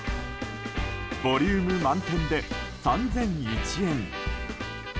ボリューム満点で３００１円。